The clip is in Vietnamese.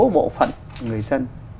bộ phận người dân